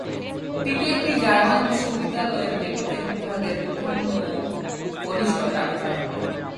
তিনি একটি জার্মান বিশ্ববিদ্যালয়ের মেডিকেল বিভাগের প্রধানতম কনিষ্ঠ ডাক্তার হন।